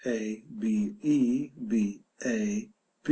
a. b. e. b. a.